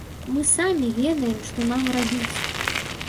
Мы самі ведаем, што нам рабіць.